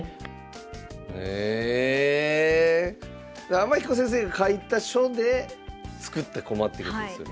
天彦先生が書いた書で作った駒ってことですよね。